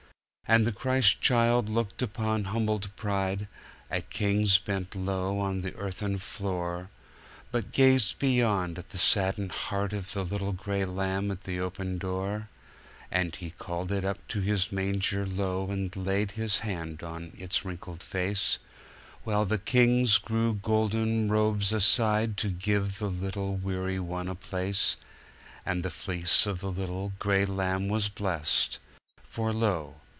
"And the Christ Child looked upon humbled pride, at kings bent low on the earthen floor, But gazed beyond at the saddened heart of the little gray lamb at the open door; And he called it up to his manger low and laid his hand on its wrinkled face, While the kings drew golden robes aside to give to the weary one a place. And the fleece of the little gray lamb was blest: For, lo!